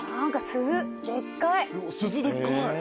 鈴でっかい。